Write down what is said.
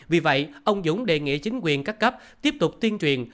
vì vậy ông dũng đề nghị chính quyền các cấp tiếp tục tuyên truyền